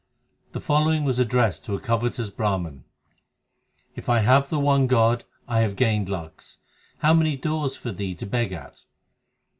The following was addressed to a covetous Brah man : If I have the one God, I have gained lakhs ; how many doors for thee to beg at